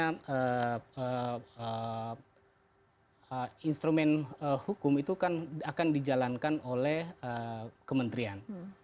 karena instrumen hukum itu akan dijalankan oleh kementerian